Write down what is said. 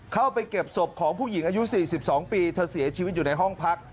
เข้าไปเก็บศพของผู้หญิงอายุ๔๒ปีเธอเสียชีวิตอยู่ในห้องพัก